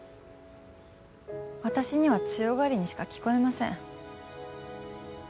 私には強がりにしか聞こえません。